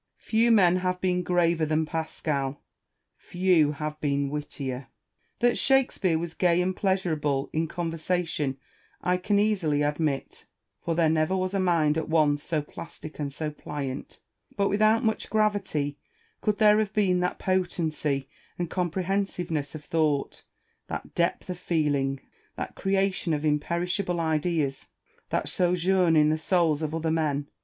Few men have been graver than Pascal] few have been wittier. That Shakespeare was gay and pleasurable in conversation I can easily admit ; for there never was a mind at once so plastic and so pliant : but without much gravity, could there have been that potency and comprehensiveness of thought, that depth of feeling, that creation of imperishable ideas, that sojourn in the souls of other men?